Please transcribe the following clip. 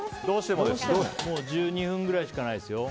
もう１２分ぐらいしかないですよ。